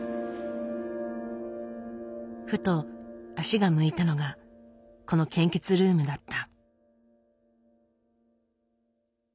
ふと足が向いたのがこの献血ルームだった。